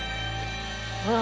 ああ。